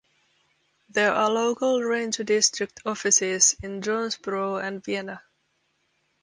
There are local ranger district offices in Jonesboro and Vienna.